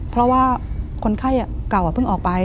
เพราะว่าคนไข้เก่าเพิ่งออกไป